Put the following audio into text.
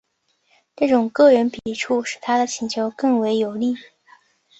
这种个人笔触使他的请求更为有力。